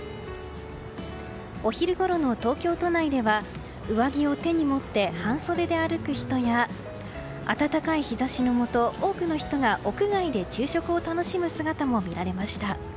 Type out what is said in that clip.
お昼ごろの東京都内では上着を手に持って半袖で歩く人や暖かい日差しのもと多くの人が屋外で昼食を楽しむ姿も見られました。